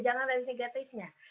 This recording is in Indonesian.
jangan dari negatifnya